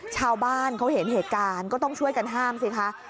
ชาวบ้านเขาเห็นเหตุการณ์ก็ต้องช่วยกันห้ามสิคะ